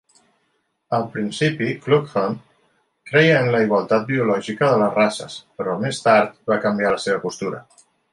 Al principi, Kluckhohn creia en la igualtat biològica de les races, però més tard va canviar la seva postura.